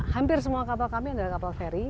hampir semua kapal kami adalah kapal feri